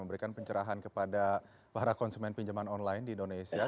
memberikan pencerahan kepada para konsumen pinjaman online di indonesia